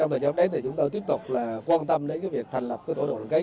trong thời gian đến chúng tôi tiếp tục quan tâm đến việc thành lập tổ đội đoàn kết